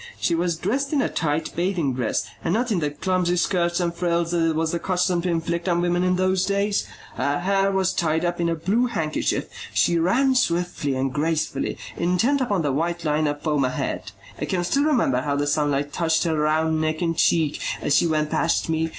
She was dressed in a tight bathing dress and not in the clumsy skirts and frills that it was the custom to inflict on women in those days. Her hair was tied up in a blue handkerchief. She ran swiftly and gracefully, intent upon the white line of foam ahead. I can still remember how the sunlight touched her round neck and cheek as she went past me.